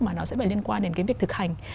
mà nó sẽ phải liên quan đến cái việc thực hành